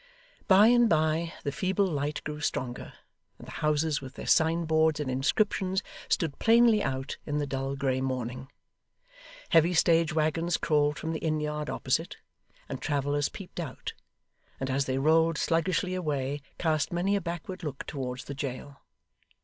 By and by, the feeble light grew stronger, and the houses with their signboards and inscriptions, stood plainly out, in the dull grey morning. Heavy stage waggons crawled from the inn yard opposite; and travellers peeped out; and as they rolled sluggishly away, cast many a backward look towards the jail.